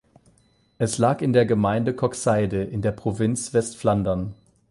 Es lag in der Gemeinde Koksijde in der Provinz Westflandern.